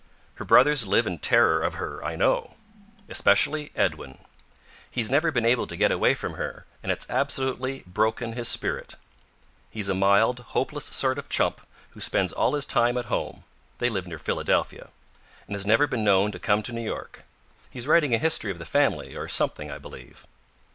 Her brothers live in terror of her, I know. Especially Edwin. He's never been able to get away from her and it's absolutely broken his spirit. He's a mild, hopeless sort of chump who spends all his time at home they live near Philadelphia and has never been known to come to New York. He's writing a history of the family, or something, I believe.